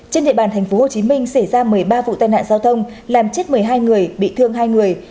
trên địa bàn tp hcm xảy ra một mươi ba vụ tai nạn giao thông làm chết một mươi hai người bị thương hai người